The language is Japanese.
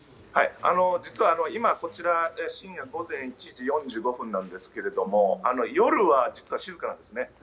実は今、こちら、深夜午前１時４５分なんですけれども、夜は実は静かなんですね。